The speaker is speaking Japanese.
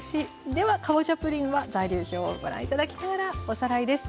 ではかぼちゃプリンは材料表をご覧頂きながらおさらいです。